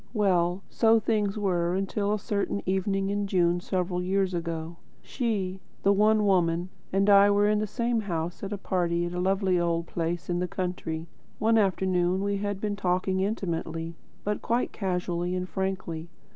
Well, so things were until a certain evening in June several years ago. She the One Woman and I were in the same house party at a lovely old place in the country. One afternoon we had been talking intimately, but quite casually and frankly.